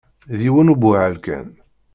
D yiwen ubuhal kan.